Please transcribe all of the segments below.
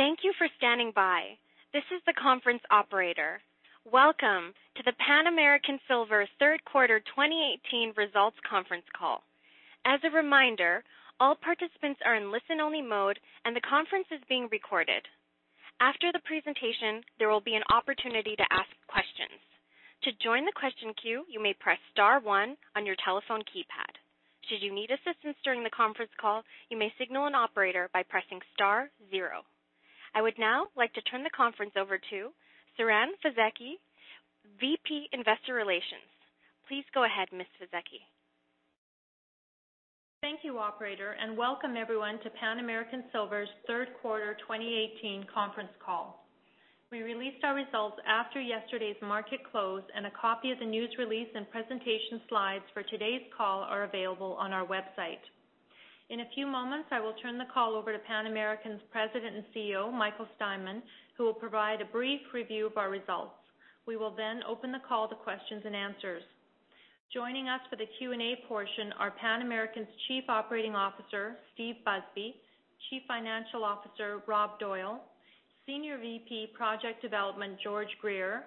Thank you for standing by. This is the conference operator. Welcome to the Pan American Silver Third Quarter 2018 Results Conference Call. As a reminder, all participants are in listen-only mode, and the conference is being recorded. After the presentation, there will be an opportunity to ask questions. To join the question queue, you may press star one on your telephone keypad. Should you need assistance during the conference call, you may signal an operator by pressing star zero. I would now like to turn the conference over to Siren Fisekci, VP Investor Relations. Please go ahead, Ms. Fisekci. Thank you, Operator, and welcome everyone to Pan American Silver's Third Quarter 2018 Conference Call. We released our results after yesterday's market close, and a copy of the news release and presentation slides for today's call are available on our website. In a few moments, I will turn the call over to Pan American's President and CEO, Michael Steinmann, who will provide a brief review of our results. We will then open the call to questions and answers. Joining us for the Q&A portion are Pan American's Chief Operating Officer, Steve Busby, Chief Financial Officer, Rob Doyle, Senior VP Project Development, George Greer,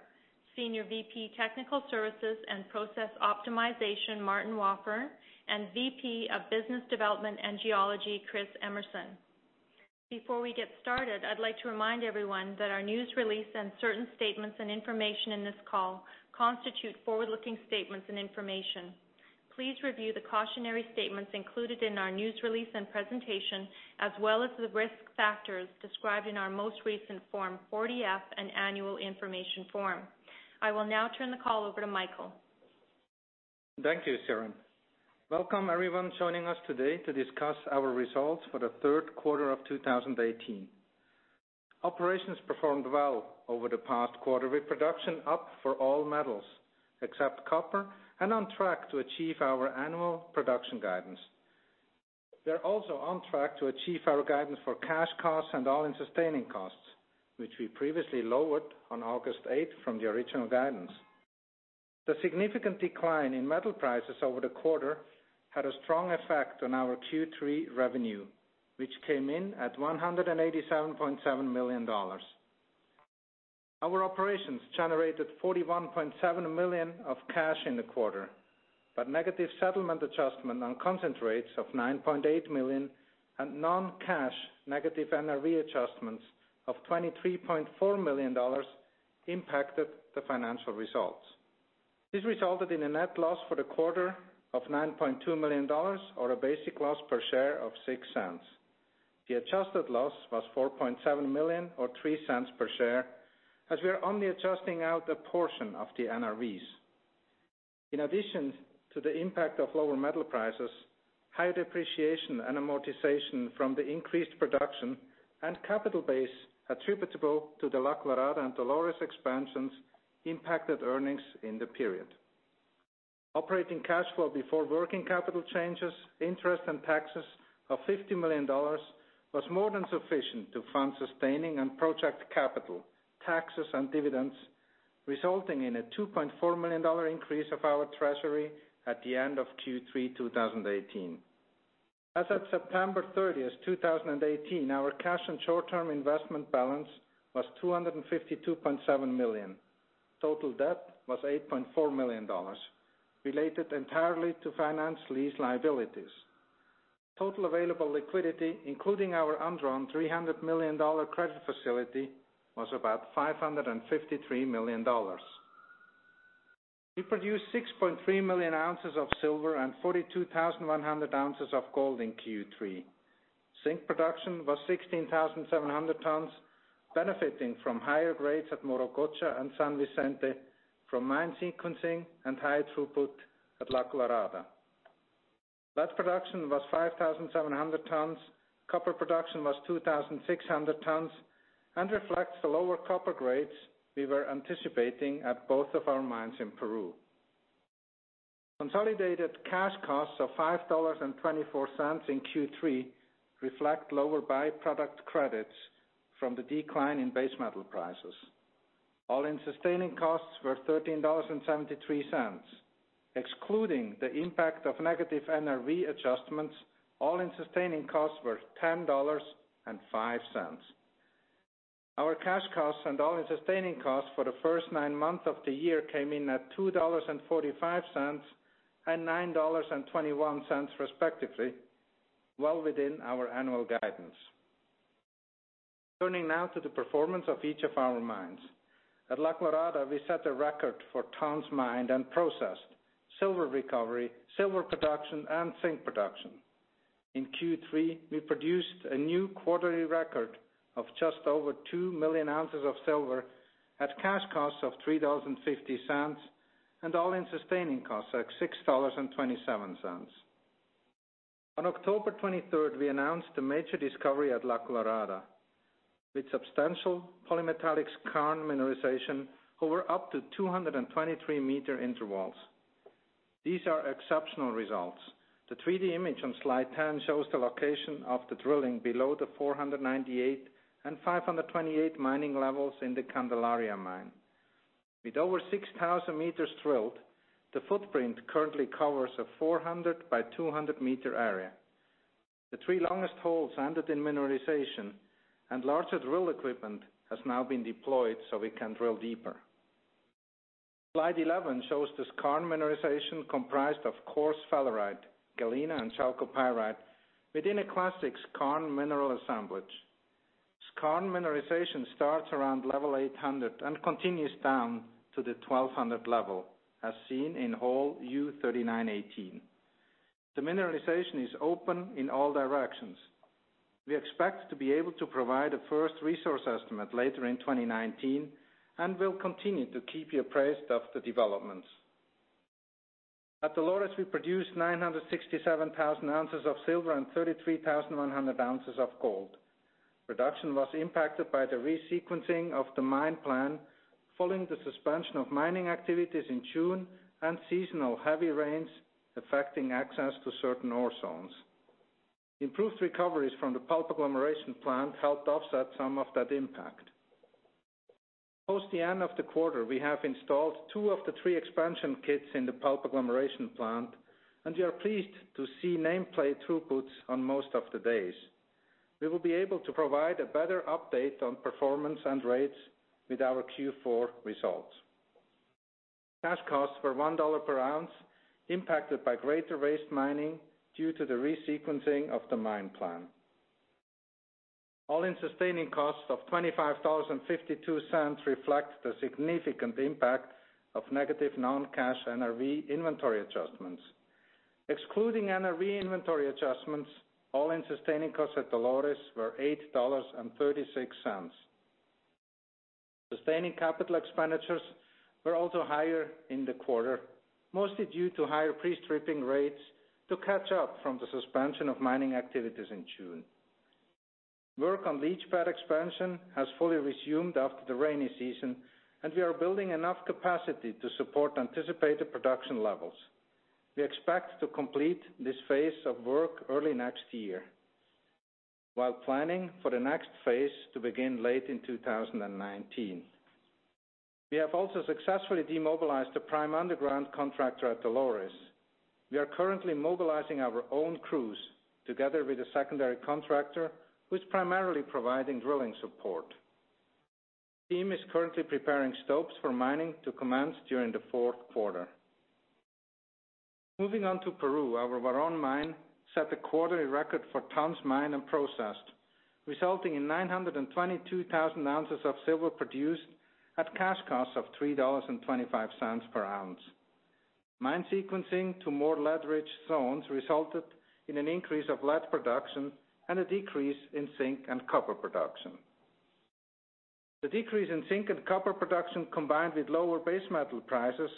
Senior VP Technical Services and Process Optimization, Martin Wafforn, and VP of Business Development and Geology, Chris Emerson. Before we get started, I'd like to remind everyone that our news release and certain statements and information in this call constitute forward-looking statements and information. Please review the cautionary statements included in our news release and presentation, as well as the risk factors described in our most recent Form 40-F and Annual Information Form. I will now turn the call over to Michael. Thank you, Siren. Welcome everyone joining us today to discuss our results for the third quarter of 2018. Operations performed well over the past quarter, with production up for all metals except copper and on track to achieve our annual production guidance. We are also on track to achieve our guidance for cash costs and all-in sustaining costs, which we previously lowered on August 8 from the original guidance. The significant decline in metal prices over the quarter had a strong effect on our Q3 revenue, which came in at $187.7 million. Our operations generated $41.7 million of cash in the quarter, but negative settlement adjustment on hedge rates of $9.8 million and non-cash negative NRV adjustments of $23.4 million impacted the financial results. This resulted in a net loss for the quarter of $9.2 million, or a basic loss per share of $0.06. The adjusted loss was $4.7 million, or $0.03 per share, as we are only adjusting out a portion of the NRVs. In addition to the impact of lower metal prices, higher depreciation and amortization from the increased production and capital base attributable to the La Colorada and Dolores expansions impacted earnings in the period. Operating cash flow before working capital changes, interest, and taxes of $50 million was more than sufficient to fund sustaining and project capital, taxes, and dividends, resulting in a $2.4 million increase of our treasury at the end of Q3 2018. As of September 30, 2018, our cash and short-term investment balance was $252.7 million. Total debt was $8.4 million, related entirely to finance lease liabilities. Total available liquidity, including our undrawn $300 million credit facility, was about $553 million. We produced 6.3 million ounces of silver and 42,100 ounces of gold in Q3. Zinc production was 16,700 tons, benefiting from higher grades at Morococha and San Vicente from mine sequencing and high throughput at La Colorada. Lead production was 5,700 tons, copper production was 2,600 tons, and reflects the lower copper grades we were anticipating at both of our mines in Peru. Consolidated cash costs of $5.24 in Q3 reflect lower byproduct credits from the decline in base metal prices. All-in-sustaining costs were $13.73. Excluding the impact of negative NRV adjustments, all-in-sustaining costs were $10.05. Our cash costs and all-in-sustaining costs for the first nine months of the year came in at $2.45 and $9.21, respectively, well within our annual guidance. Turning now to the performance of each of our mines. At La Colorada, we set a record for tons mined and processed: silver recovery, silver production, and zinc production. In Q3, we produced a new quarterly record of just over 2 million ounces of silver at cash costs of $3.50 and all-in-sustaining costs at $6.27. On October 23, we announced a major discovery at La Colorada, with substantial polymetallic skarn mineralization over up to 223-meter intervals. These are exceptional results. The 3D image on slide 10 shows the location of the drilling below the 498 and 528 mining levels in the Candelaria mine. With over 6,000 meters drilled, the footprint currently covers a 400 by 200-meter area. The three longest holes ended in mineralization, and larger drill equipment has now been deployed so we can drill deeper. Slide 11 shows the skarn mineralization comprised of coarse sphalerite, galena, and chalcopyrite within a classic skarn mineral assemblage. Skarn mineralization starts around level 800 and continues down to the 1200 level, as seen in hole U3918. The mineralization is open in all directions. We expect to be able to provide a first resource estimate later in 2019 and will continue to keep you appraised of the developments. At Dolores, we produced 967,000 ounces of silver and 33,100 ounces of gold. Production was impacted by the resequencing of the mine plan following the suspension of mining activities in June and seasonal heavy rains affecting access to certain ore zones. Improved recoveries from the pulp agglomeration plant helped offset some of that impact. Post the end of the quarter, we have installed two of the three expansion kits in the pulp agglomeration plant, and we are pleased to see nameplate throughputs on most of the days. We will be able to provide a better update on performance and rates with our Q4 results. Cash costs were $1 per ounce, impacted by greater waste mining due to the resequencing of the mine plan. All-in-sustaining costs of $25.52 reflect the significant impact of negative non-cash NRV inventory adjustments. Excluding NRV inventory adjustments, all-in-sustaining costs at Dolores were $8.36. Sustaining capital expenditures were also higher in the quarter, mostly due to higher pre-stripping rates to catch up from the suspension of mining activities in June. Work on leach pad expansion has fully resumed after the rainy season, and we are building enough capacity to support anticipated production levels. We expect to complete this phase of work early next year, while planning for the next phase to begin late in 2019. We have also successfully demobilized the prime underground contractor at Dolores. We are currently mobilizing our own crews together with a secondary contractor who is primarily providing drilling support. The team is currently preparing stopes for mining to commence during the fourth quarter. Moving on to Peru, our Huaron mine set a quarterly record for tons, mined, and processed, resulting in 922,000 ounces of silver produced at cash costs of $3.25 per ounce. Mine sequencing to more lead-rich zones resulted in an increase of lead production and a decrease in zinc and copper production. The decrease in zinc and copper production, combined with lower base metal prices,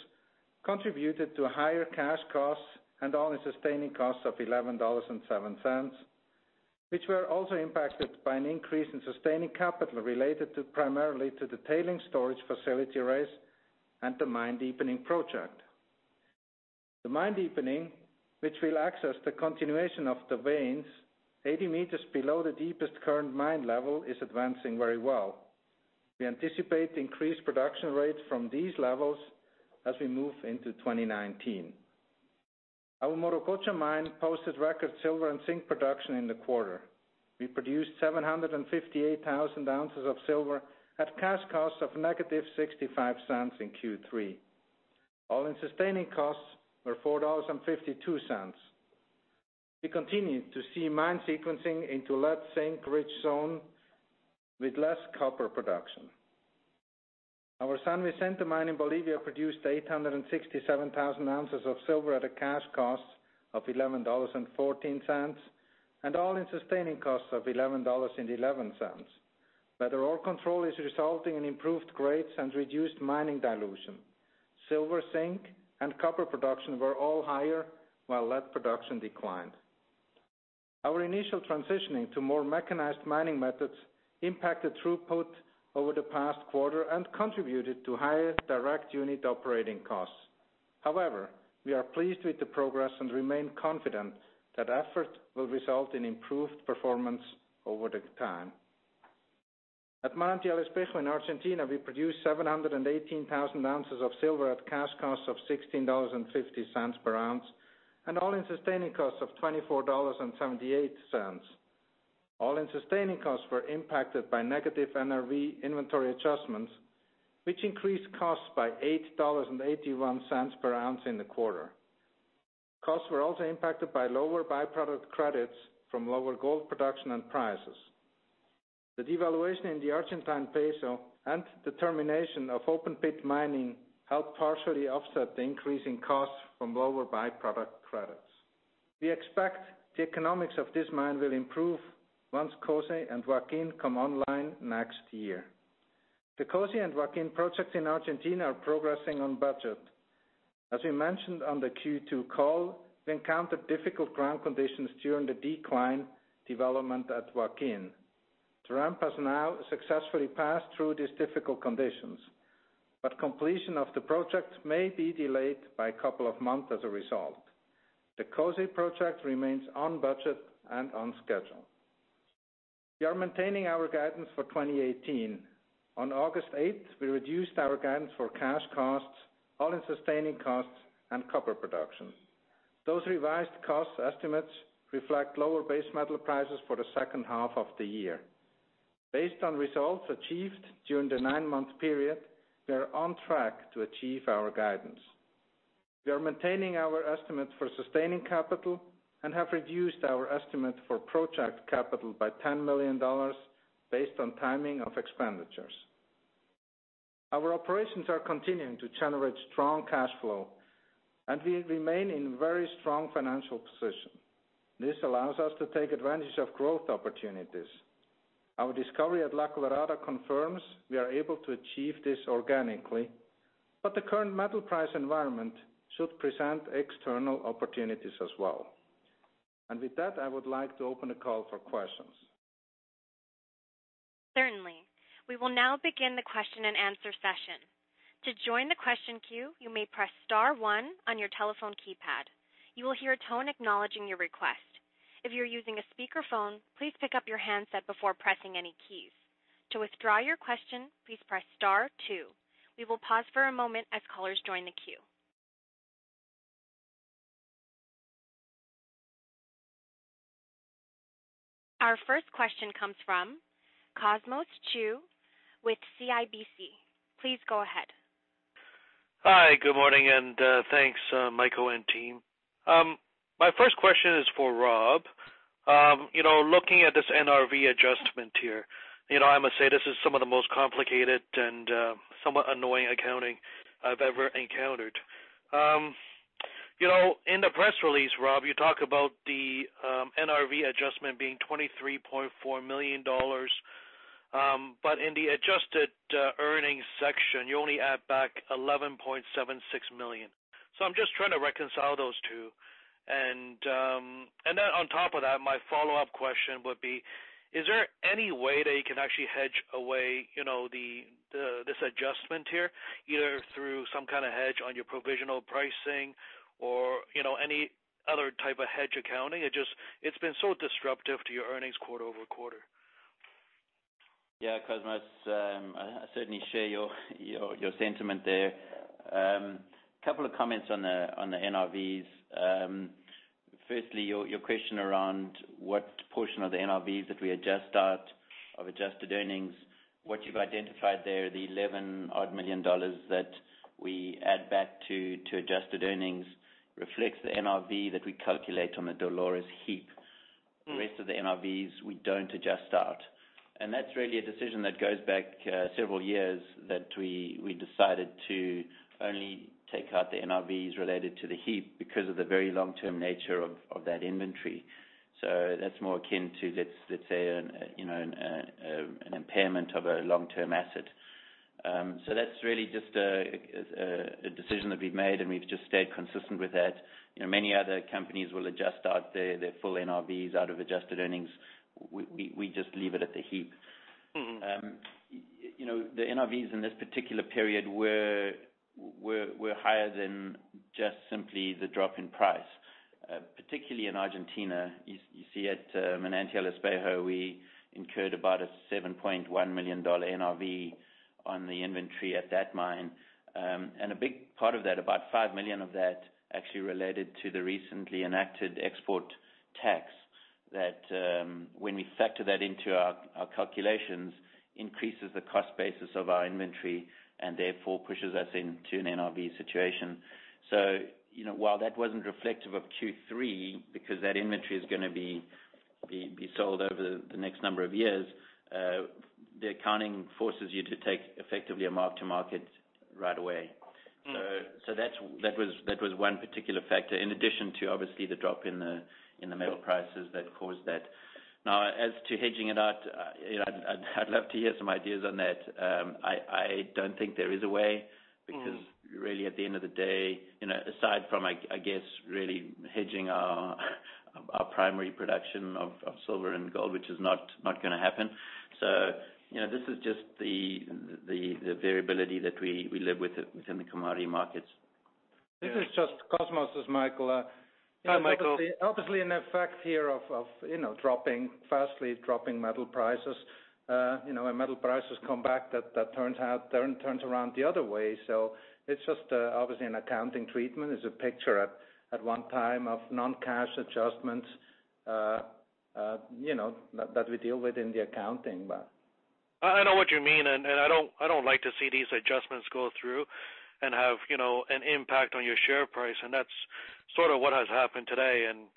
contributed to higher cash costs and all-in-sustaining costs of $11.07, which were also impacted by an increase in sustaining capital related primarily to the tailings storage facility raises and the mine deepening project. The mine deepening, which will access the continuation of the veins 80 meters below the deepest current mine level, is advancing very well. We anticipate increased production rates from these levels as we move into 2019. Our Morococha mine posted record silver and zinc production in the quarter. We produced 758,000 ounces of silver at cash costs of negative $0.65 in Q3. All-in sustaining costs were $4.52. We continue to see mine sequencing into lead-zinc-rich zone with less copper production. Our San Vicente mine in Bolivia produced 867,000 ounces of silver at a cash cost of $11.14 and all-in sustaining costs of $11.11. Better ore control is resulting in improved grades and reduced mining dilution. Silver, zinc, and copper production were all higher, while lead production declined. Our initial transitioning to more mechanized mining methods impacted throughput over the past quarter and contributed to higher direct unit operating costs. However, we are pleased with the progress and remain confident that effort will result in improved performance over time. At Manantial Espejo in Argentina, we produced 718,000 ounces of silver at cash costs of $16.50 per ounce and all-in-sustaining costs of $24.78. All-in-sustaining costs were impacted by negative NRV inventory adjustments, which increased costs by $8.81 per ounce in the quarter. Costs were also impacted by lower byproduct credits from lower gold production and prices. The devaluation in the Argentine peso and the termination of open-pit mining helped partially offset the increasing costs from lower byproduct credits. We expect the economics of this mine will improve once COSE and Joaquin come online next year. The COSE and Joaquin projects in Argentina are progressing on budget. As we mentioned on the Q2 call, we encountered difficult ground conditions during the decline development at Joaquin. The ramp has now successfully passed through these difficult conditions, but completion of the project may be delayed by a couple of months as a result. The COSE project remains on budget and on schedule. We are maintaining our guidance for 2018. On August 8, we reduced our guidance for cash costs, all-in-sustaining costs, and copper production. Those revised cost estimates reflect lower base metal prices for the second half of the year. Based on results achieved during the nine-month period, we are on track to achieve our guidance. We are maintaining our estimates for sustaining capital and have reduced our estimate for project capital by $10 million based on timing of expenditures. Our operations are continuing to generate strong cash flow, and we remain in a very strong financial position. This allows us to take advantage of growth opportunities. Our discovery at La Colorada confirms we are able to achieve this organically, but the current metal price environment should present external opportunities as well. And with that, I would like to open the call for questions. Certainly. We will now begin the question and answer session. To join the question queue, you may press star one on your telephone keypad. You will hear a tone acknowledging your request. If you're using a speakerphone, please pick up your handset before pressing any keys. To withdraw your question, please press star two. We will pause for a moment as callers join the queue. Our first question comes from Cosmos Chiu with CIBC. Please go ahead. Hi, good morning, and thanks, Michael and team. My first question is for Rob. Looking at this NRV adjustment here, I must say this is some of the most complicated and somewhat annoying accounting I've ever encountered. In the press release, Rob, you talk about the NRV adjustment being $23.4 million, but in the adjusted earnings section, you only add back $11.76 million. So I'm just trying to reconcile those two. And then on top of that, my follow-up question would be, is there any way that you can actually hedge away this adjustment here, either through some kind of hedge on your provisional pricing or any other type of hedge accounting? It's been so disruptive to your earnings quarter over quarter. Yeah, Cosmos, I certainly share your sentiment there. A couple of comments on the NRVs. Firstly, your question around what portion of the NRVs that we adjust out of adjusted earnings, what you've identified there, the $11 million that we add back to adjusted earnings reflects the NRV that we calculate on the Dolores heap. The rest of the NRVs we don't adjust out. That's really a decision that goes back several years that we decided to only take out the NRVs related to the heap because of the very long-term nature of that inventory. So that's more akin to, let's say, an impairment of a long-term asset. So that's really just a decision that we've made, and we've just stayed consistent with that. Many other companies will adjust out their full NRVs out of adjusted earnings. We just leave it at the heap. The NRVs in this particular period were higher than just simply the drop in price. Particularly in Argentina, you see at Manantial Espejo, we incurred about a $7.1 million NRV on the inventory at that mine. A big part of that, about $5 million of that, actually related to the recently enacted export tax that, when we factor that into our calculations, increases the cost basis of our inventory and therefore pushes us into an NRV situation. So while that wasn't reflective of Q3, because that inventory is going to be sold over the next number of years, the accounting forces you to take effectively a mark-to-market right away. So that was one particular factor, in addition to, obviously, the drop in the metal prices that caused that. Now, as to hedging it out, I'd love to hear some ideas on that. I don't think there is a way because, really, at the end of the day, aside from, I guess, really hedging our primary production of silver and gold, which is not going to happen. So this is just the variability that we live with within the commodity markets. This is just Cosmos, Michael. Obviously, the effect here of dropping, rapidly dropping metal prices. When metal prices come back, that turns around the other way. So it's just, obviously, an accounting treatment. It's a picture at one time of non-cash adjustments that we deal with in the accounting. I know what you mean, and I don't like to see these adjustments go through and have an impact on your share price. And that's sort of what has happened today. And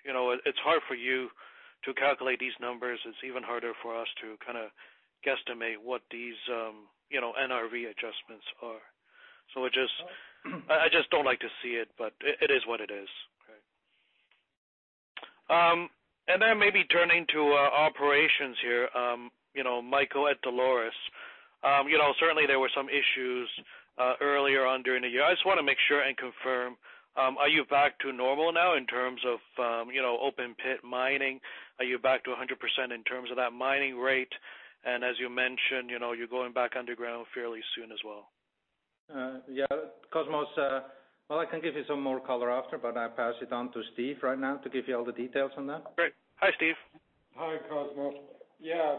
it's hard for you to calculate these numbers. It's even harder for us to kind of guesstimate what these NRV adjustments are. So I just don't like to see it, but it is what it is. And then maybe turning to operations here, Michael, at Dolores. Certainly, there were some issues earlier on during the year. I just want to make sure and confirm. Are you back to normal now in terms of open-pit mining? Are you back to 100% in terms of that mining rate? And as you mentioned, you're going back underground fairly soon as well. Yeah, Cosmos, well, I can give you some more color after, but I'll pass it on to Steve right now to give you all the details on that. Great. Hi, Steve. Hi, Cosmos. Yeah,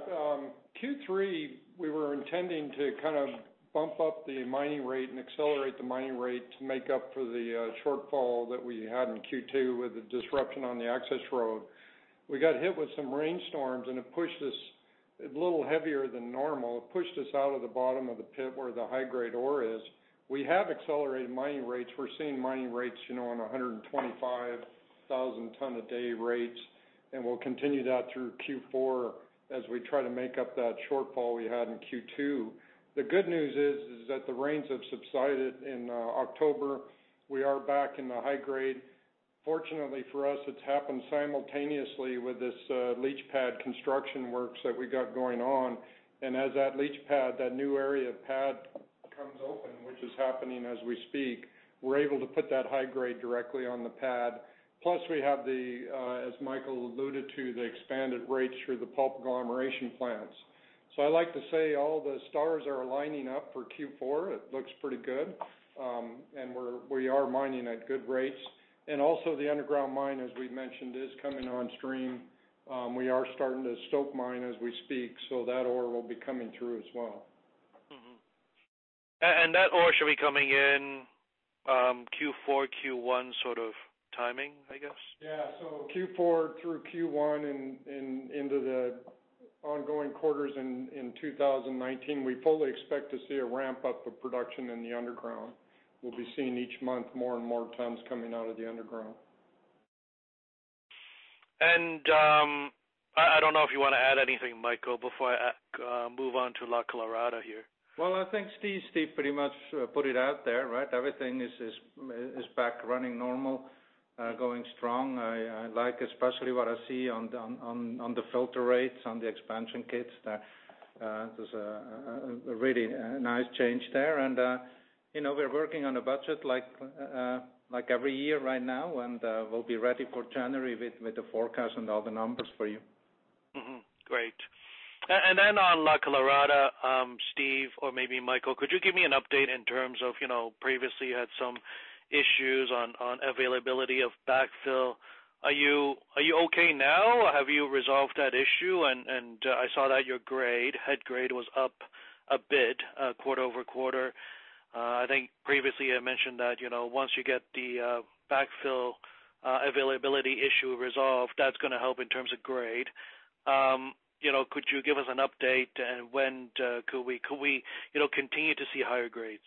Q3, we were intending to kind of bump up the mining rate and accelerate the mining rate to make up for the shortfall that we had in Q2 with the disruption on the access road. We got hit with some rainstorms, and it pushed us a little heavier than normal. It pushed us out of the bottom of the pit where the high-grade ore is. We have accelerated mining rates. We're seeing mining rates on 125,000 ton-a-day rates, and we'll continue that through Q4 as we try to make up that shortfall we had in Q2. The good news is that the rains have subsided in October. We are back in the high grade. Fortunately for us, it's happened simultaneously with this leach pad construction work that we got going on, and as that leach pad, that new area of pad comes open, which is happening as we speak, we're able to put that high grade directly on the pad. Plus, we have, as Michael alluded to, the expanded rates through the pulp agglomeration plants, so I like to say all the stars are aligning up for Q4. It looks pretty good, and we are mining at good rates. And also, the underground mine, as we mentioned, is coming on stream. We are starting to stope mine as we speak, so that ore will be coming through as well. And that ore should be coming in Q4, Q1 sort of timing, I guess? Yeah. So Q4 through Q1 and into the ongoing quarters in 2019, we fully expect to see a ramp-up of production in the underground. We'll be seeing each month more and more tons coming out of the underground. And I don't know if you want to add anything, Michael, before I move on to La Colorada here. Well, I think Steve pretty much put it out there, right? Everything is back running normal, going strong. I like especially what I see on the filter rates on the expansion kits. There's a really nice change there. And we're working on a budget like every year right now, and we'll be ready for January with the forecast and all the numbers for you. Great. And then on La Colorada, Steve or maybe Michael, could you give me an update in terms of previously had some issues on availability of backfill? Are you okay now? Have you resolved that issue? And I saw that your head grade was up a bit quarter over quarter. I think previously I mentioned that once you get the backfill availability issue resolved, that's going to help in terms of grade. Could you give us an update, and when could we continue to see higher grades?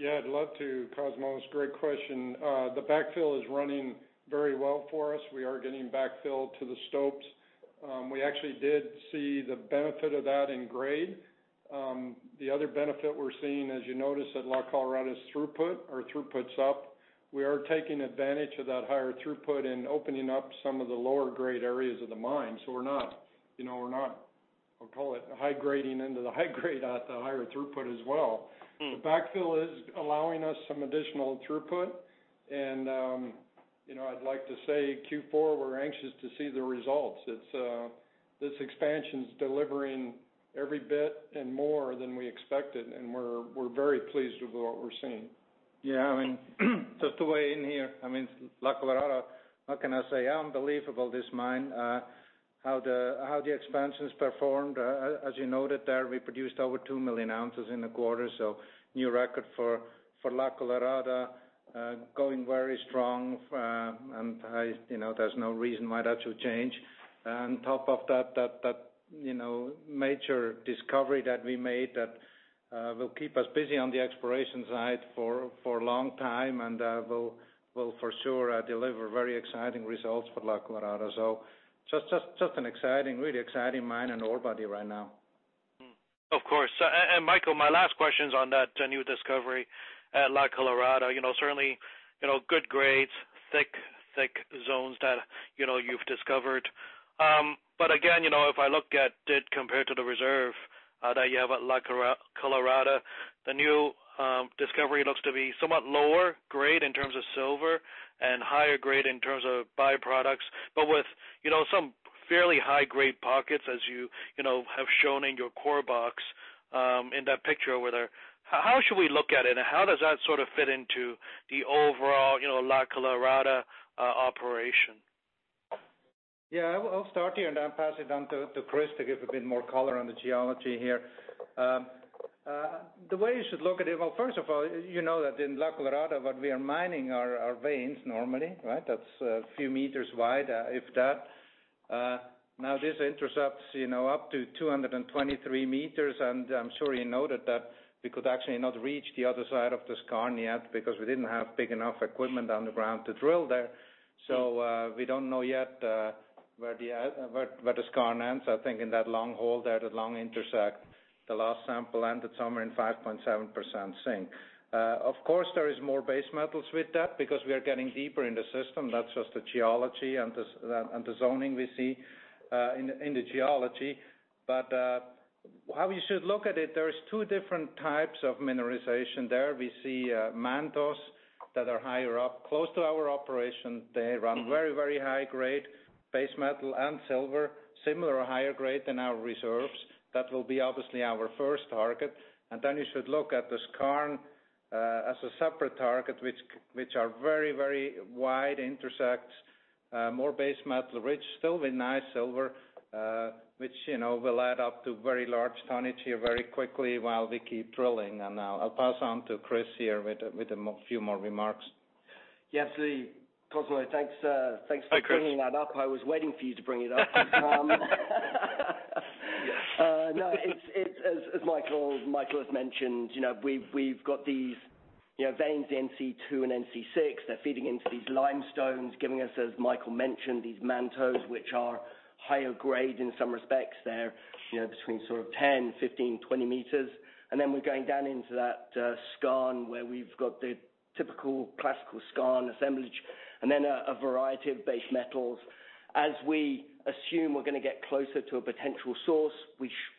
Yeah, I'd love to, Cosmos. Great question. The backfill is running very well for us. We are getting backfill to the stopes. We actually did see the benefit of that in grade. The other benefit we're seeing, as you noticed, at La Colorada's throughput, our throughput's up. We are taking advantage of that higher throughput and opening up some of the lower grade areas of the mine. So we're not, I'll call it, high grading into the high grade at the higher throughput as well. The backfill is allowing us some additional throughput. And I'd like to say Q4, we're anxious to see the results. This expansion's delivering every bit and more than we expected, and we're very pleased with what we're seeing. Yeah, I mean, just to weigh in here, I mean, La Colorada, how can I say? I'm a believer in this mine, how the expansion's performed. As you noted there, we produced over two million ounces in the quarter, so new record for La Colorada, going very strong, and there's no reason why that should change. And on top of that, that major discovery that we made that will keep us busy on the exploration side for a long time and will for sure deliver very exciting results for La Colorada. So just an exciting, really exciting mine and ore body right now. Of course. And Michael, my last question is on that new discovery at La Colorada. Certainly, good grades, thick, thick zones that you've discovered. But again, if I look at it compared to the reserve that you have at La Colorada, the new discovery looks to be somewhat lower grade in terms of silver and higher grade in terms of byproducts, but with some fairly high grade pockets, as you have shown in your core box in that picture over there. How should we look at it, and how does that sort of fit into the overall La Colorada operation? Yeah, I'll start here, and I'll pass it on to Chris to give a bit more color on the geology here. The way you should look at it, well, first of all, you know that in La Colorada, what we are mining are veins normally, right? That's a few meters wide, if that. Now, this intercepts up to 223 meters, and I'm sure you noted that we could actually not reach the other side of the skarn yet because we didn't have big enough equipment underground to drill there. So we don't know yet where the skarn ends. I think in that long hole there, the long intersect, the last sample ended somewhere in 5.7% zinc. Of course, there is more base metals with that because we are getting deeper in the system. That's just the geology and the zoning we see in the geology. But how you should look at it, there are two different types of mineralization there. We see mantos that are higher up close to our operation. They run very, very high grade, base metal and silver, similar higher grade than our reserves. That will be obviously our first target. And then you should look at the skarn as a separate target, which are very, very wide intercepts, more base metal rich, still with nice silver, which will add up to very large tonnage here very quickly while we keep drilling. And I'll pass on to Chris here with a few more remarks. Yes, Cosmos, thanks for bringing that up. I was waiting for you to bring it up. No, as Michael has mentioned, we've got these veins, NC2 and NC6. They're feeding into these limestones, giving us, as Michael mentioned, these mantos, which are higher grade in some respects. They're between sort of 10, 15, 20 meters. And then we're going down into that skarn where we've got the typical classical skarn assemblage, and then a variety of base metals. As we assume we're going to get closer to a potential source,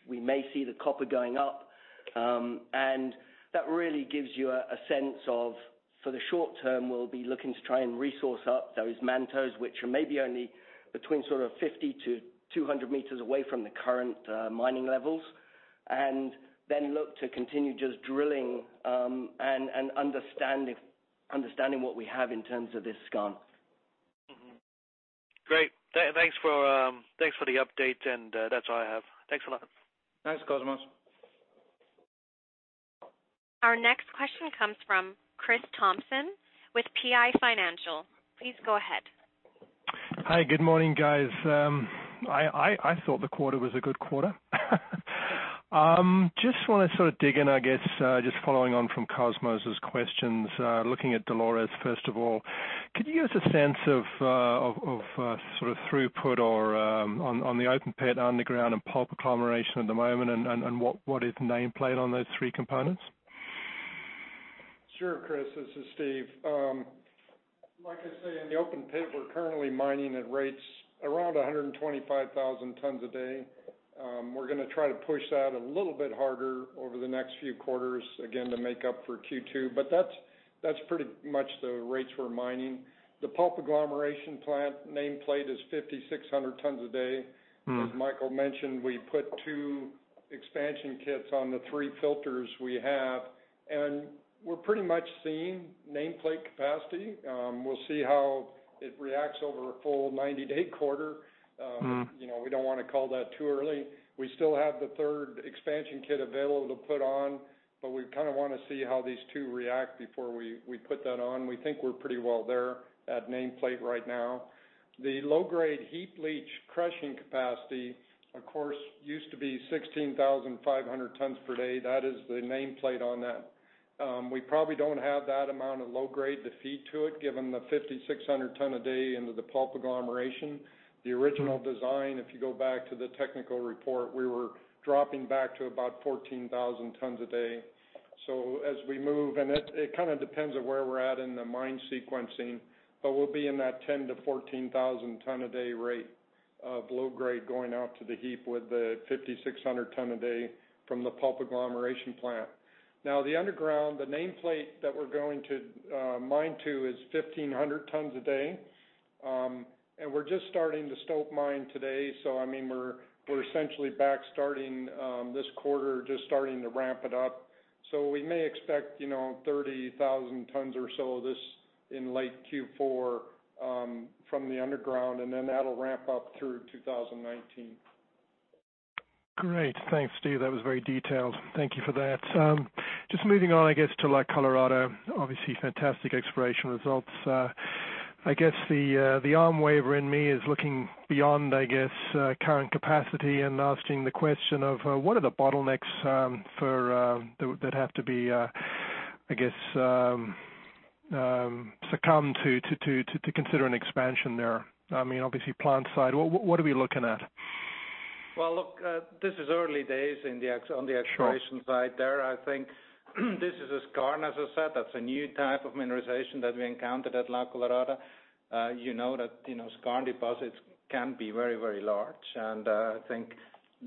we may see the copper going up. And that really gives you a sense of, for the short term, we'll be looking to try and resource up those mantos, which are maybe only between sort of 50 to 200 meters away from the current mining levels, and then look to continue just drilling and understanding what we have in terms of this skarn. Great. Thanks for the update, and that's all I have. Thanks a lot. Thanks, Cosmos. Our next question comes from Chris Thompson with PI Financial. Please go ahead. Hi, good morning, guys. I thought the quarter was a good quarter. Just want to sort of dig in, I guess, just following on from Cosmos' questions, looking at Dolores, first of all. Could you give us a sense of sort of throughput on the open-pit underground and pulp agglomeration at the moment, and what is the nameplate on those three components? Sure, Chris. This is Steve. Like I say, in the open-pit, we're currently mining at rates around 125,000 tons a day. We're going to try to push that a little bit harder over the next few quarters, again, to make up for Q2. But that's pretty much the rates we're mining. The pulp agglomeration plant nameplate is 5,600 tons a day. As Michael mentioned, we put two expansion kits on the three filters we have, and we're pretty much seeing nameplate capacity. We'll see how it reacts over a full 90-day quarter. We don't want to call that too early. We still have the third expansion kit available to put on, but we kind of want to see how these two react before we put that on. We think we're pretty well there at nameplate right now. The low-grade heap leach crushing capacity, of course, used to be 16,500 tons per day. That is the nameplate on that. We probably don't have that amount of low-grade to feed to it, given the 5,600-ton-a-day into the pulp agglomeration. The original design, if you go back to the technical report, we were dropping back to about 14,000 tons a day. So as we move, and it kind of depends on where we're at in the mine sequencing, but we'll be in that 10,000- to 14,000-ton-a-day rate of low-grade going out to the heap with the 5,600-ton-a-day from the pulp agglomeration plant. Now, the underground, the nameplate that we're going to mine to is 1,500 tons a day. And we're just starting the stope mine today. So, I mean, we're essentially back starting this quarter, just starting to ramp it up. So we may expect 30,000 tons or so this in late Q4 from the underground, and then that'll ramp up through 2019. Great. Thanks, Steve. That was very detailed. Thank you for that. Just moving on, I guess, to La Colorada. Obviously, fantastic exploration results. I guess the arm waver in me is looking beyond, I guess, current capacity and asking the question of what are the bottlenecks that have to be, I guess, succumbed to to consider an expansion there? I mean, obviously, plant side, what are we looking at? Well, look, this is early days on the exploration side there. I think this is a skarn, as I said. That's a new type of mineralization that we encountered at La Colorada. You know that skarn deposits can be very, very large, and I think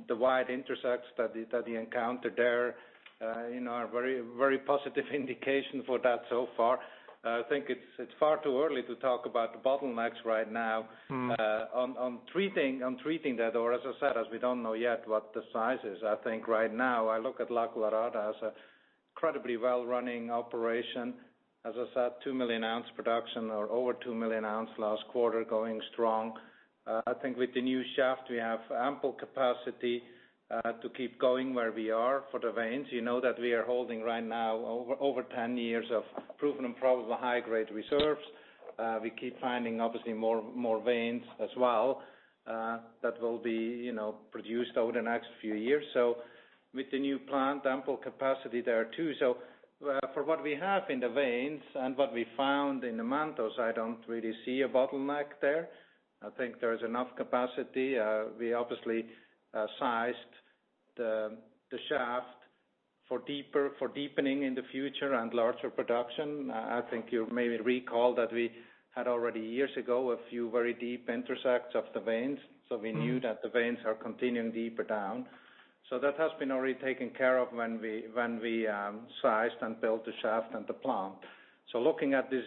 the wide intercepts that you encountered there are a very positive indication for that so far. I think it's far too early to talk about the bottlenecks right now on treating that, or, as I said, as we don't know yet what the size is. I think right now, I look at La Colorada as an incredibly well-running operation. As I said, 2 million ounces production or over 2 million ounces last quarter going strong. I think with the new shaft, we have ample capacity to keep going where we are for the veins. You know that we are holding right now over 10 years of proven and probable high-grade reserves. We keep finding, obviously, more veins as well that will be produced over the next few years. So with the new plant, ample capacity there too. So for what we have in the veins and what we found in the mantos, I don't really see a bottleneck there. I think there's enough capacity. We obviously sized the shaft for deepening in the future and larger production. I think you may recall that we had already years ago a few very deep intersects of the veins. So we knew that the veins are continuing deeper down. So that has been already taken care of when we sized and built the shaft and the plant. So looking at this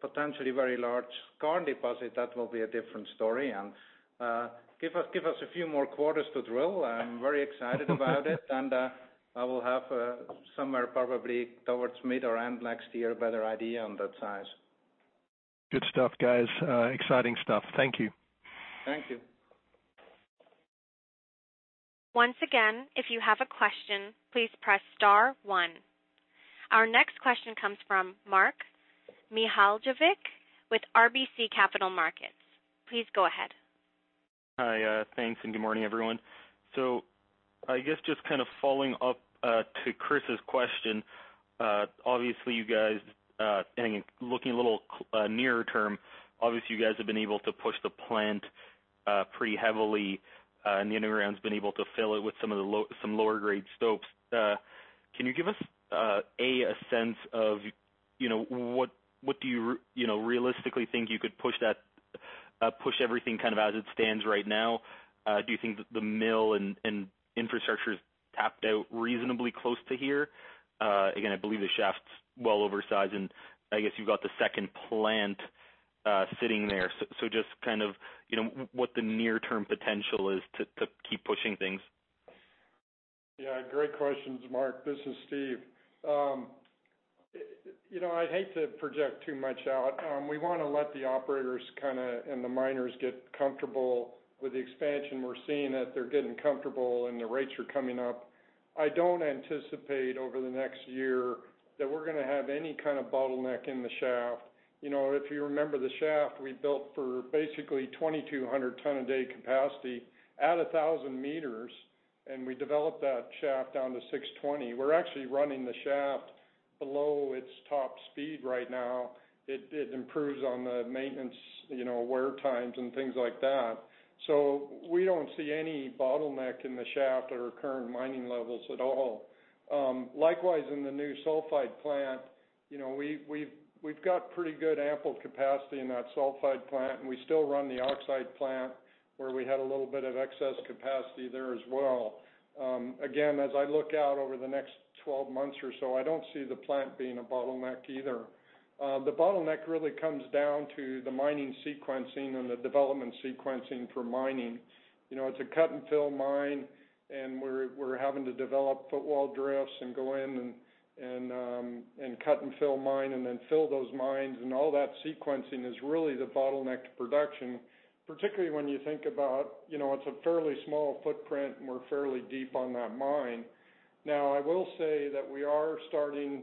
potentially very large skarn deposit, that will be a different story. And give us a few more quarters to drill. I'm very excited about it, and I will have somewhere probably towards mid or end next year a better idea on that size. Good stuff, guys. Exciting stuff. Thank you. Thank you. Once again, if you have a question, please press star one. Our next question comes from Mark Mihaljevic with RBC Capital Markets. Please go ahead. Hi, thanks, and good morning, everyone. So I guess just kind of following up to Chris's question, obviously, you guys looking a little nearer term, obviously, you guys have been able to push the plant pretty heavily, and the underground's been able to fill it with some lower-grade stopes. Can you give us, A, a sense of what do you realistically think you could push everything kind of as it stands right now? Do you think the mill and infrastructure is tapped out reasonably close to here? Again, I believe the shaft's well oversized, and I guess you've got the second plant sitting there. So just kind of what the near-term potential is to keep pushing things. Yeah, great questions, Mark. This is Steve. I hate to project too much out. We want to let the operators and the miners get comfortable with the expansion. We're seeing that they're getting comfortable, and the rates are coming up. I don't anticipate over the next year that we're going to have any kind of bottleneck in the shaft. If you remember the shaft, we built for basically 2,200-ton-a-day capacity at 1,000 meters, and we developed that shaft down to 620. We're actually running the shaft below its top speed right now. It improves on the maintenance wear times and things like that. So we don't see any bottleneck in the shaft at our current mining levels at all. Likewise, in the new sulfide plant, we've got pretty good ample capacity in that sulfide plant, and we still run the oxide plant where we had a little bit of excess capacity there as well. Again, as I look out over the next 12 months or so, I don't see the plant being a bottleneck either. The bottleneck really comes down to the mining sequencing and the development sequencing for mining. It's a cut-and-fill mine, and we're having to develop footwall drifts and go in and cut-and-fill mine and then fill those mines. And all that sequencing is really the bottleneck to production, particularly when you think about it's a fairly small footprint, and we're fairly deep on that mine. Now, I will say that we are starting,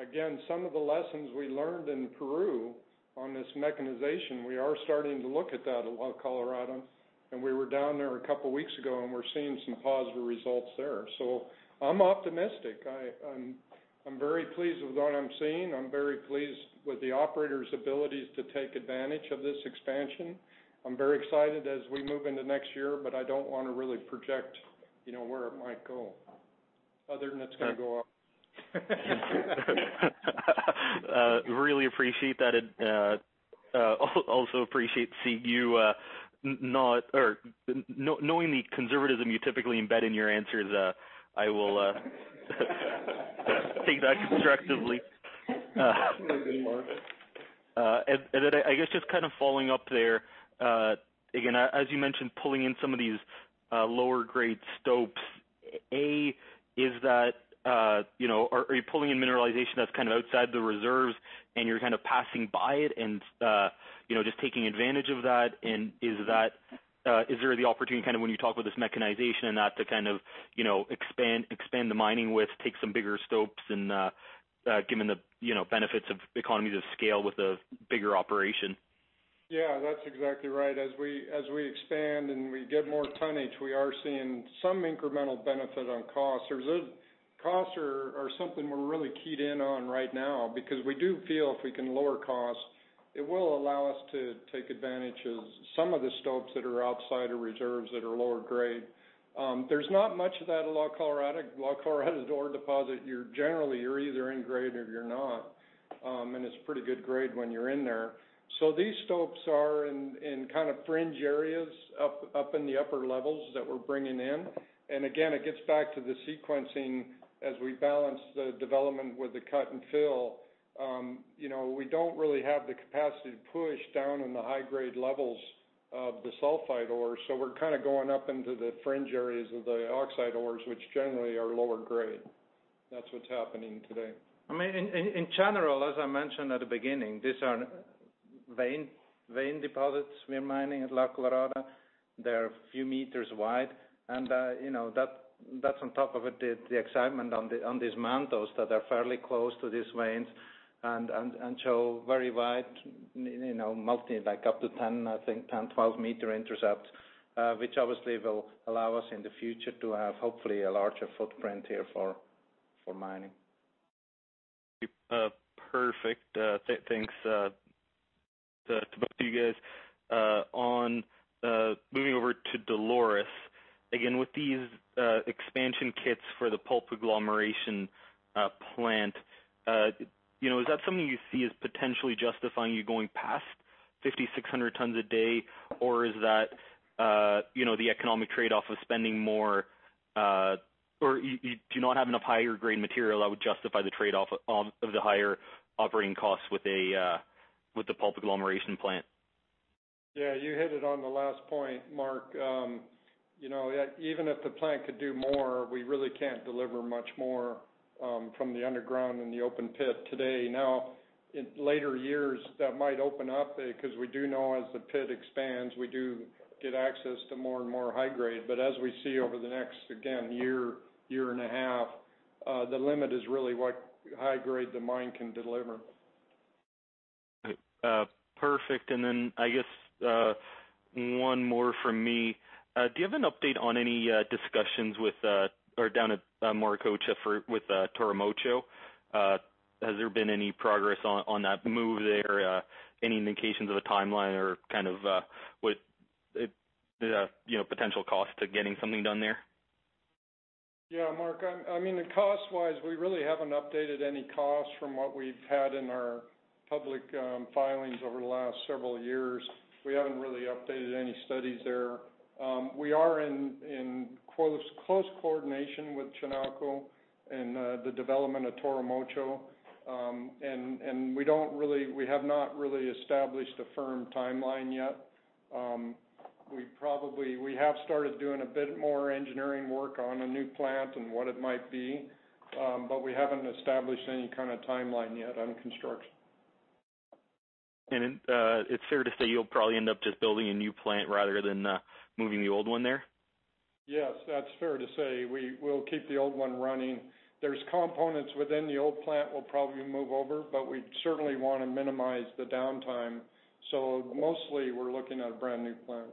again, some of the lessons we learned in Peru on this mechanization. We are starting to look at that in La Colorada, and we were down there a couple of weeks ago, and we're seeing some positive results there. So I'm optimistic. I'm very pleased with what I'm seeing. I'm very pleased with the operator's abilities to take advantage of this expansion. I'm very excited as we move into next year, but I don't want to really project where it might go other than it's going to go up. Really appreciate that. Also appreciate seeing you not or knowing the conservatism you typically embed in your answers. I will take that constructively. Absolutely, Mark. And then, I guess, just kind of following up there, again, as you mentioned, pulling in some of these lower-grade stopes, are you pulling in mineralization that's kind of outside the reserves, and you're kind of passing by it and just taking advantage of that? Is there the opportunity kind of when you talk with this mechanization and that to kind of expand the mining with, take some bigger stopes and given the benefits of economies of scale with a bigger operation? Yeah, that's exactly right. As we expand and we get more tonnage, we are seeing some incremental benefit on costs. Costs are something we're really keyed in on right now because we do feel if we can lower costs, it will allow us to take advantage of some of the stopes that are outside of reserves that are lower grade. There's not much of that in La Colorada. La Colorada's ore deposit, generally, you're either in grade or you're not, and it's pretty good grade when you're in there. So these stopes are in kind of fringe areas up in the upper levels that we're bringing in. And again, it gets back to the sequencing as we balance the development with the cut-and-fill. We don't really have the capacity to push down in the high-grade levels of the sulfide ore, so we're kind of going up into the fringe areas of the oxide ores, which generally are lower grade. That's what's happening today. In general, as I mentioned at the beginning, these are vein deposits we're mining at La Colorada. They're a few meters wide, and that's on top of the excitement on these mantos that are fairly close to these veins and show very wide, manto-like up to 10, I think, 10, 12-meter intercepts, which obviously will allow us in the future to have, hopefully, a larger footprint here for mining. Perfect. Thanks to both of you guys. On moving over to Dolores, again, with these expansion kits for the pulp agglomeration plant, is that something you see as potentially justifying you going past 5,600 tons a day, or is that the economic trade-off of spending more, or do you not have enough higher-grade material that would justify the trade-off of the higher operating costs with the pulp agglomeration plant? Yeah, you hit it on the last point, Mark. Even if the plant could do more, we really can't deliver much more from the underground and the open pit today. Now, in later years, that might open up because we do know as the pit expands, we do get access to more and more high-grade. But as we see over the next, again, year, year and a half, the limit is really what high-grade the mine can deliver. Perfect. And then, I guess, one more from me. Do you have an update on any discussions with or down at Morococha with Toramocho? Has there been any progress on that move there? Any indications of a timeline or kind of potential costs to getting something done there? Yeah, Mark. I mean, cost-wise, we really haven't updated any costs from what we've had in our public filings over the last several years. We haven't really updated any studies there. We are in close coordination with Chinalco in the development of Toramocho, and we have not really established a firm timeline yet. We have started doing a bit more engineering work on a new plant and what it might be, but we haven't established any kind of timeline yet on construction, and it's fair to say you'll probably end up just building a new plant rather than moving the old one there? Yes, that's fair to say. We'll keep the old one running. There's components within the old plant we'll probably move over, but we certainly want to minimize the downtime. So mostly, we're looking at a brand new plant.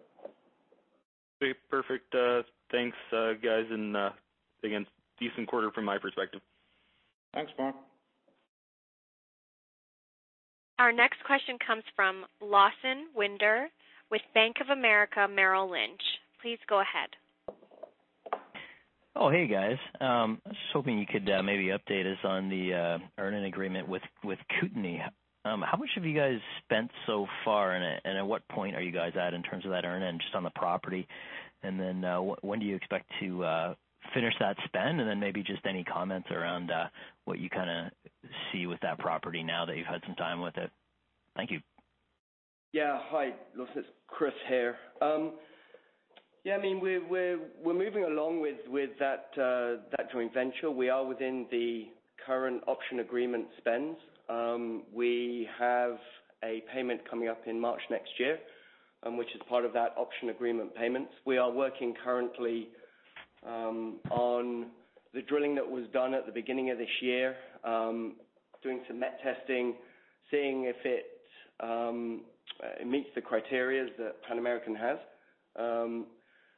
Perfect. Thanks, guys, and again, decent quarter from my perspective. Thanks, Mark. Our next question comes from Lawson Winder with Bank of America Merrill Lynch. Please go ahead. Oh, hey, guys. I was hoping you could maybe update us on the earn-in agreement with Kootenay. How much have you guys spent so far, and at what point are you guys at in terms of that earn-in just on the property? And then when do you expect to finish that spend? And then maybe just any comments around what you kind of see with that property now that you've had some time with it. Thank you. Yeah, hi, Lawson. Chris here. Yeah, I mean, we're moving along with that joint venture. We are within the current option agreement spends. We have a payment coming up in March next year, which is part of that option agreement payments. We are working currently on the drilling that was done at the beginning of this year, doing some met testing, seeing if it meets the criteria that Pan American has.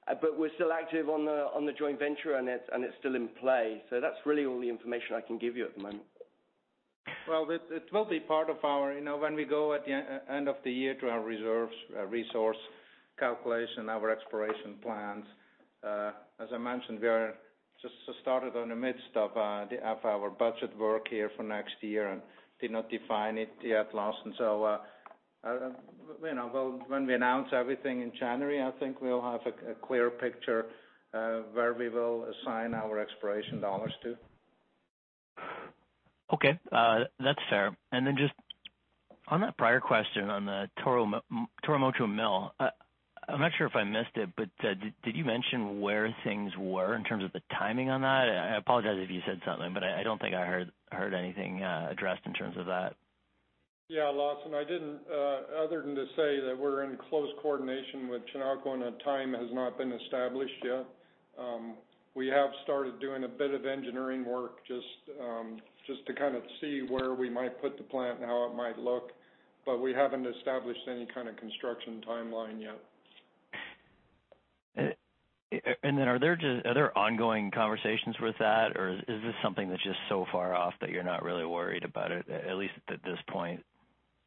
But we're still active on the joint venture, and it's still in play. So that's really all the information I can give you at the moment. Well, it will be part of our when we go at the end of the year to our resource calculation, our exploration plans. As I mentioned, we just started in the midst of our budget work here for next year and did not define it yet last. And so when we announce everything in January, I think we'll have a clear picture where we will assign our exploration dollars to. Okay. That's fair. And then just on that prior question on the Toramocho mill, I'm not sure if I missed it, but did you mention where things were in terms of the timing on that? I apologize if you said something, but I don't think I heard anything addressed in terms of that. Yeah, Lawson, I didn't. Other than to say that we're in close coordination with Chinalco and a time has not been established yet. We have started doing a bit of engineering work just to kind of see where we might put the plant and how it might look, but we haven't established any kind of construction timeline yet. And then, are there ongoing conversations with that, or is this something that's just so far off that you're not really worried about it, at least at this point?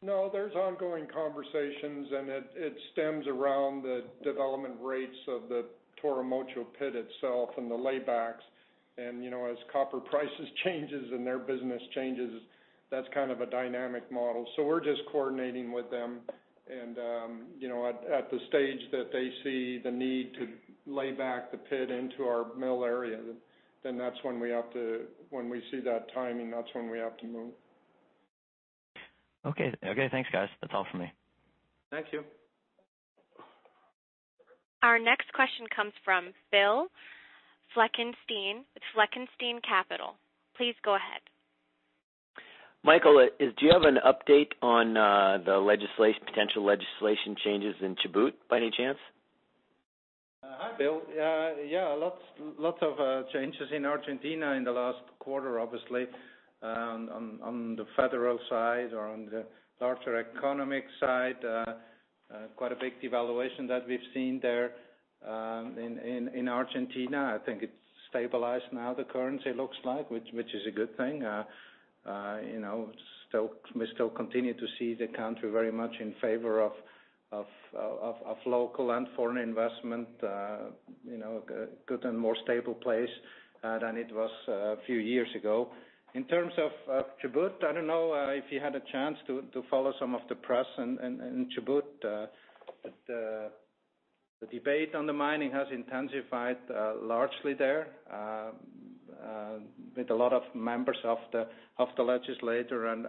No, there's ongoing conversations, and it stems around the development rates of the Toramocho pit itself and the lay-backs. And as copper prices changes and their business changes, that's kind of a dynamic model. So we're just coordinating with them. And at the stage that they see the need to lay back the pit into our mill area, then that's when we have to when we see that timing, that's when we have to move. Okay. Okay. Thanks, guys. That's all for me. Thank you. Our next question comes from Bill Fleckenstein with Fleckenstein Capital. Please go ahead. Michael, do you have an update on the potential legislation changes in Chubut by any chance? Hi, Bill. Yeah, lots of changes in Argentina in the last quarter, obviously, on the federal side or on the larger economic side. Quite a big devaluation that we've seen there in Argentina. I think it's stabilized now, the currency looks like, which is a good thing. We still continue to see the country very much in favor of local and foreign investment, a good and more stable place than it was a few years ago. In terms of Chubut, I don't know if you had a chance to follow some of the press in Chubut. The debate on the mining has intensified largely there with a lot of members of the legislature and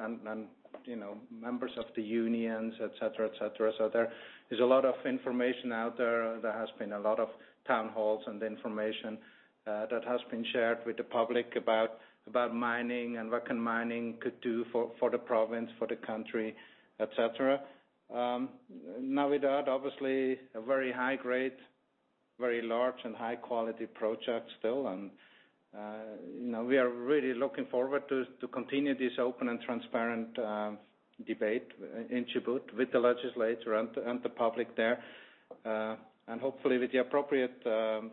members of the unions, etc., etc., so there is a lot of information out there. There has been a lot of town halls and information that has been shared with the public about mining and what mining could do for the province, for the country, etc. Now, with that, obviously, a very high-grade, very large and high-quality project still. And we are really looking forward to continue this open and transparent debate in Chubut with the legislature and the public there. And hopefully, with the appropriate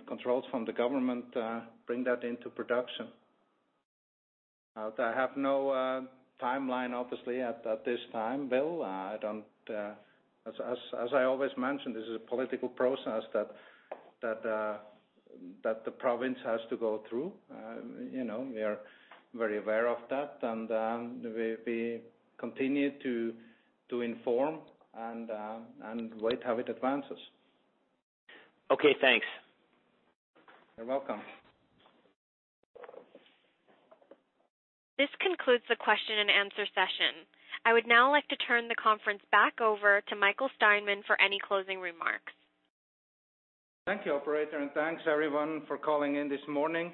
controls from the government, bring that into production. I have no timeline, obviously, at this time, Bill. As I always mentioned, this is a political process that the province has to go through. We are very aware of that, and we continue to inform and wait how it advances. Okay. Thanks. You're welcome. This concludes the question and answer session. I would now like to turn the conference back over to Michael Steinmann for any closing remarks. Thank you, Operator, and thanks everyone for calling in this morning.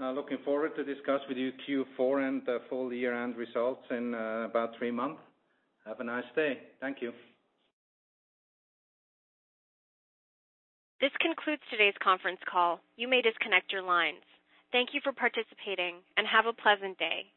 Looking forward to discuss with you Q4 and full year-end results in about three months. Have a nice day. Thank you. This concludes today's conference call. You may disconnect your lines. Thank you for participating and have a pleasant day.